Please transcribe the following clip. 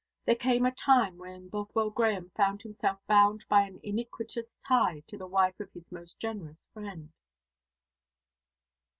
There came a time when Bothwell Grahame found himself bound by an iniquitous tie to the wife of his most generous friend.